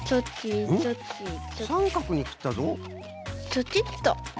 チョキッと。